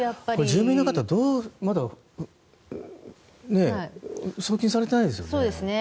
住民の方はまだ送金されてないですよね。